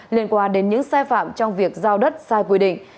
liên quan đến những sai phạm trong việc giao đất sai quy định